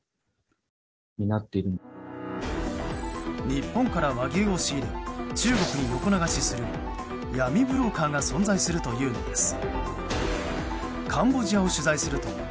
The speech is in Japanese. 日本から和牛を仕入れ中国に横流しする闇ブローカーが存在するというのです。